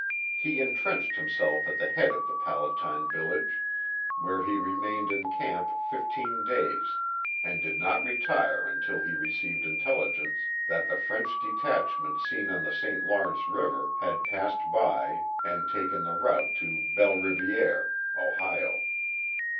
He intrenched himself at the head of the Palatine village where he remained in camp fifteen days, and did not retire until he received intelligence that the French detachment seen on the St Lawrence River, had passed by :i.d taken the route to Belle Riviere (Ohio).